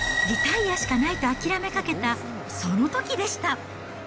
リタイアしかないと諦めかけた、そのときでした。